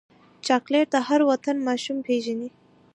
چاکلېټ د هر وطن ماشوم پیژني.